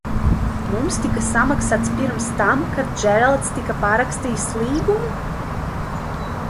Mums tika samaksāts pirms tam, kad Džeralds tika parakstījis līgumu?